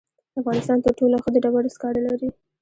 افغانستان تر ټولو ښه د ډبرو سکاره لري.